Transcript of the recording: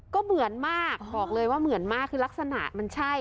ก็เหมือนมากบอกเลยว่าเหมือนมากคือลักษณะมันใช่